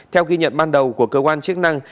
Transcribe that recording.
theo ghi nhận ban đầu của cơ quan chức năng